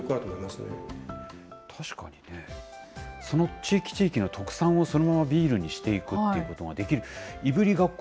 その地域地域の特産を、そのままビールにしていくっていうことができる。